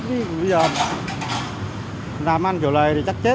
bây giờ làm ăn chỗ này thì chắc chết